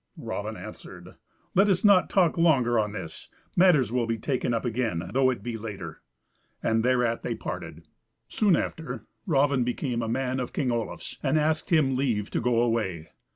Raven answered, "Let us not talk longer on this; matters will be taken up again, though it be later." And thereat, they parted. Soon after Raven became a man of King Olaf's, and asked him leave to go away.